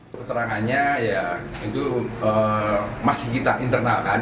keterangannya ya itu masih kita internalkan